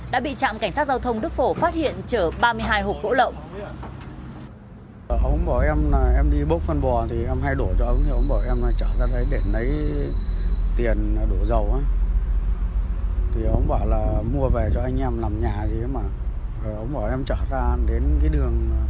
đã bị trạm cảnh sát giao thông đức phổ phát hiện chở ba mươi hai hộp gỗ lậu